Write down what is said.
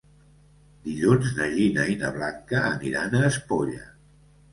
Dilluns na Gina i na Blanca aniran a Espolla.